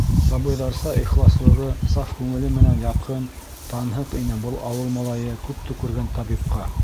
Сабыйҙарса ихласлығы, саф күңеле менән яҡын, танһыҡ ине был ауыл малайы күпте күргән табипҡа.